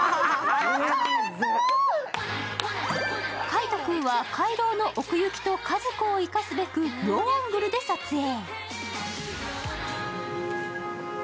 海音君は回廊の奥行きとかずこを生かすべく、ローアングルで撮影。